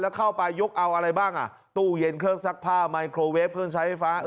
แล้วเข้าไปยกเอาอะไรบ้างอ่ะตู้เย็นเครื่องซักผ้าไมโครเวฟเครื่องใช้ไฟฟ้า